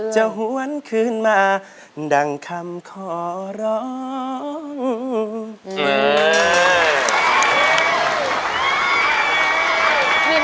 จะหวนคืนมาดังคำขอร้อง